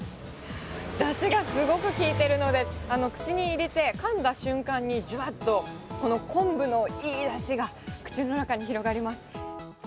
だしがすごく効いてるので、口に入れてかんだ瞬間に、じゅわっと昆布のいいだしが、口の中に広がります。